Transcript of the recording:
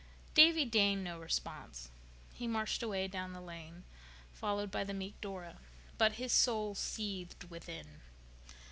Davy deigned no response. He marched away down the lane, followed by the meek Dora. But his soul seethed within.